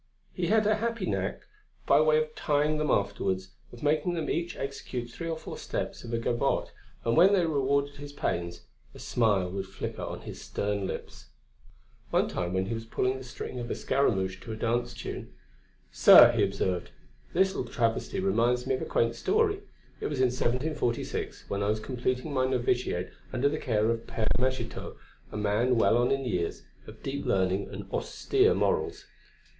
He had a happy knack, by way of trying them afterwards, of making them each execute three or four steps of a gavotte, and when they rewarded his pains, a smile would flicker on his stern lips. One time when he was pulling the string of a Scaramouch to a dance tune: "Sir," he observed, "this little travesty reminds me of a quaint story. It was in 1746, when I was completing my noviciate under the care of the Père Magitot, a man well on in years, of deep learning and austere morals.